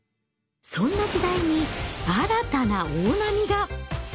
そんな時代に新たな大波が。